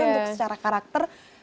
dan juga untuk secara karakter